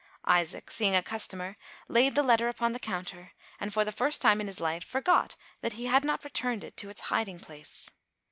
Isaac, seeing a customer, laid the letter upon the counter, and, for the first time in his life, forgot that he had not returned it to its hiding place.